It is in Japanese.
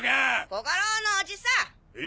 小五郎のおじさん。